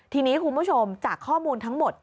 ทีนี้คุณผู้ชมจากข้อมูลทั้งหมด